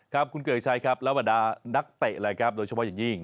ครับคุณเกลียดชัยครับแล้ววัดานักเตะโดยเฉพาะอย่างยิ่ง